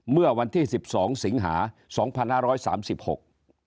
เมื่อวันที่สิบสองสิงหาสองพันห้าร้อยสามสิบหก